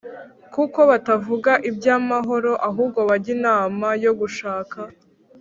Kuko batavuga iby’amahoro, ahubwo bajya inama yo gushaka